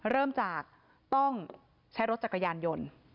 เริ่มจากต้องใช้รถจักรยานยนต์